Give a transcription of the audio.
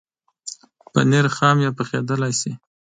پنېر خام یا پخېدلای شي.